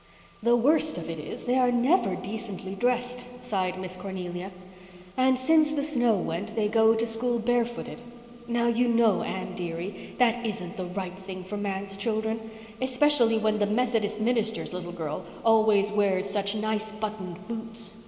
"The worst of it is, they are never decently dressed," sighed Miss Cornelia. "And since the snow went they go to school barefooted. Now, you know Anne dearie, that isn't the right thing for manse children—especially when the Methodist minister's little girl always wears such nice buttoned boots.